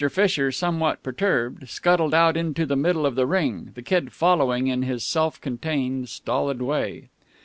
Fisher, somewhat perturbed, scuttled out into the middle of the ring, the Kid following in his self contained, stolid way.